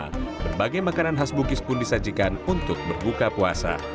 karena berbagai makanan khas bugis pun disajikan untuk berbuka puasa